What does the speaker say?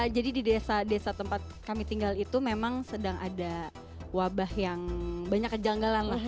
jadi di desa desa tempat kami tinggal itu memang sedang ada wabah yang banyak kejanggalan lah